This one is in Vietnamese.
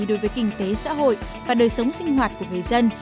đối với kinh tế xã hội và đời sống sinh hoạt của người dân